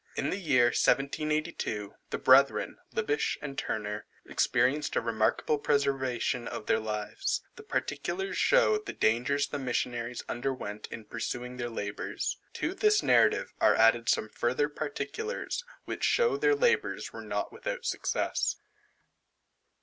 In the year 1782, the brethren, Liebisch and Turner, experienced a remarkable preservation of their lives; the particulars show the dangers the Missionaries underwent in pursuing their labours. To this Narrative are added some further particulars, which show their labours were not without success.